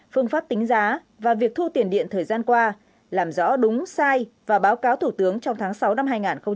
phương pháp tính giá và việc thu tiền điện thời gian qua làm rõ đúng sai và báo cáo thủ tướng trong tháng sáu năm hai nghìn hai mươi